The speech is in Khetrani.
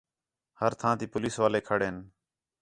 ہر تھاں تی پولیس والے کھڑے ہین